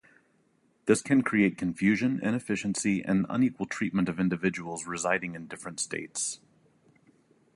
This can create confusion, inefficiency, and unequal treatment of individuals residing in different states.